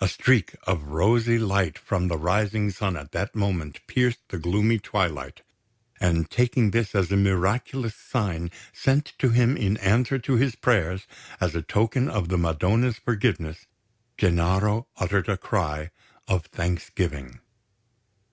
A streak of rosy light from the rising sun at that moment pierced the gloomy twilight; and taking this as a miraculous sign sent to him in answer to his prayers as a token of the Madonna's forgiveness, Gennaro uttered a cry of thanksgiving.